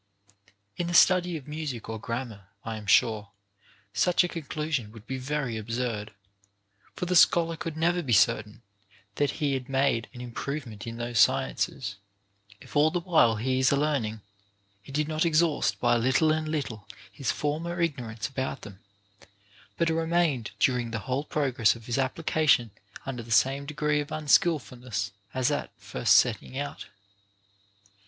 In the study of music or grammar, I am sure, such a conclusion would be very absurd ; for the scholar could never be certain that he had made any improvement in those sciences, if all the while he is a learning he did not exhaust by little and little his former ignorance about them, but remained during the whole progress of his application under the same degree of unskilfulness as at first setting out.